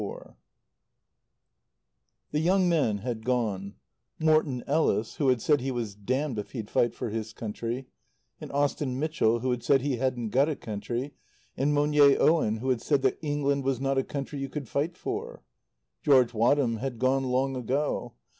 XXIV The young men had gone Morton Ellis, who had said he was damned if he'd fight for his country; and Austin Mitchell who had said he hadn't got a country; and Monier Owen, who had said that England was not a country you could fight for. George Wadham had gone long ago.